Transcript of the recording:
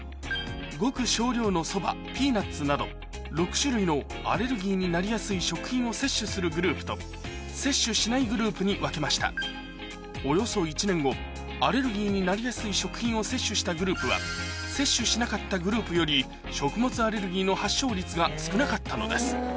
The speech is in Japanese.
ごく少量のそばピーナッツなど６種類のアレルギーになりやすい食品を摂取するグループと摂取しないグループに分けましたアレルギーになりやすい食品を摂取したグループは摂取しなかったグループより食物アレルギーの発症率が少なかったのです